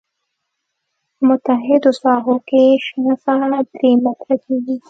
په محدودو ساحو کې شنه ساحه درې متره کیږي